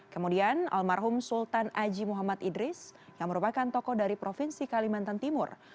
kemudian almarhum sultan aji muhammad idris yang merupakan tokoh dari provinsi kalimantan timur